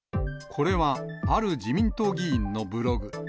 これはある自民党議員のブログ。